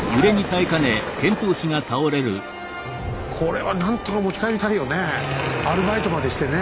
これは何とか持ち帰りたいよね